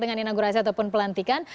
dengan inaugurasi ataupun pelantikan